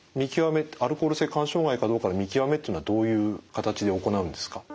アルコール性肝障害かどうかの見極めっていうのはどういう形で行うんですか？